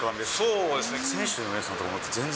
そうですね。